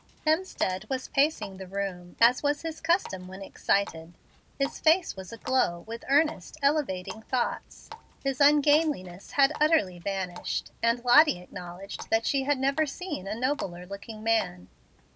Hemstead was pacing the room, as was his custom when excited. His face was aglow with earnest, elevating thoughts. His ungainliness had utterly vanished; and Lottie acknowledged that she had never seen a nobler looking man.